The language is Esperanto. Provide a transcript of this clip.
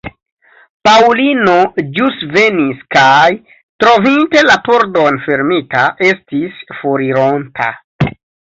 Paŭlino ĵus venis kaj, trovinte la pordon fermita, estis forironta.